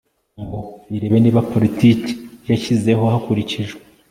ngo irebe niba politiki yashyizeho hakurikijwe